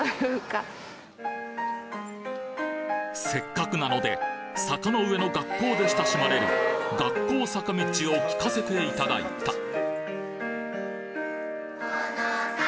せっかくなので坂の上の学校で親しまれる『学校坂道』を聴かせて頂いた